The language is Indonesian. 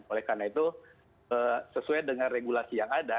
oleh karena itu sesuai dengan regulasi yang ada